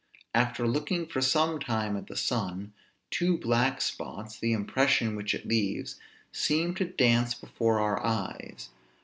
After looking for some time at the sun, two black spots, the impression which it leaves, seem to dance before our eyes.